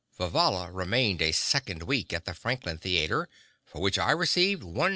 Vivalla remained a second week at the Franklin Theatre, for which I received $150.